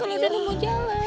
kalau udah mau jalan